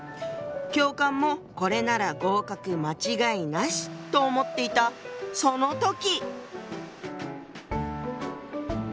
教官もこれなら合格間違いなしと思っていたその時！